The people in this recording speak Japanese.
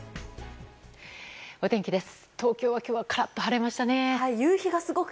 お天気です。